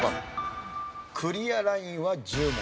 クリアラインは１０問。